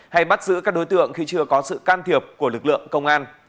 hay bắt giữ các đối tượng khi chưa có sự can thiệp của lực lượng công an